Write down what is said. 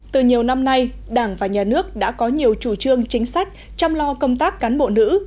từ nhiều năm nay đảng và nhà nước đã có nhiều chủ trương chính sách chăm lo công tác cán bộ nữ